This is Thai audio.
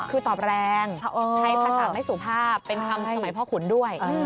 คือตอบแรงใช้ภาษาไม่สุภาพเป็นคำสมัยพ่อขุนด้วย